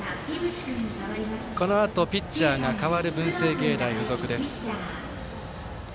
このあとピッチャーが代わる文星芸大付属です。